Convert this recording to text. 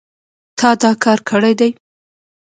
تا دا کار کړی دی